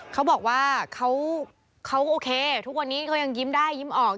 เขาบอกว่าเขาโอเคทุกวันนี้เขายังยิ้มได้ยิ้มออก